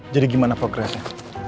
jadi gimana progressnya